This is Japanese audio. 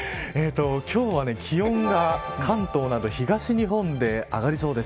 今日は気温が関東など東日本で上がりそうです。